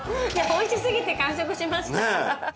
おいしすぎて完食しました。